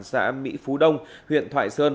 xã mỹ phú đông huyện thoại sơn